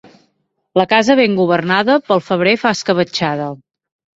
La casa ben governada pel febrer fa escabetxada.